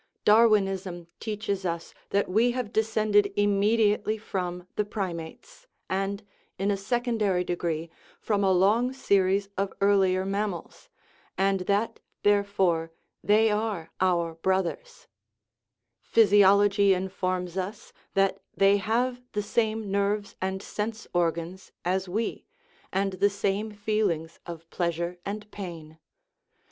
Darwinism teaches us that we have descended immediately from the primates, and, in a secondary degree, from a long series of earlier 355 THE RIDDLE OF THE UNIVERSE mammals, and that, therefore, they are " our brothers "; physiology informs us that they have the same nerves and sense organs as we, and the same feelings of pleas ure and pain.